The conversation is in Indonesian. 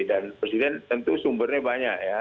dan presiden tentu sumbernya banyak ya